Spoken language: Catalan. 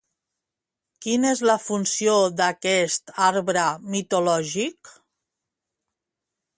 Quina és la funció d'aquest arbre mitològic?